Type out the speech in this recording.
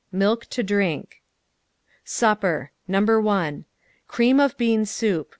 Milk to drink. SUPPER No. 1. No. 2. Cream oi bean soup.